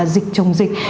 dịch chồng dịch